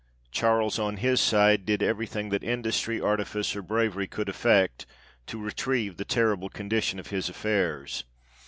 Charles, on his side, did everything that industry, artifice, or bravery could effect, to retrieve the terrible condition of his affairs.